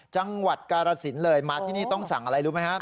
จังหวัดการาศิลป์เลยมาที่นี่ต้องสั่งอะไรรู้ไหมครับ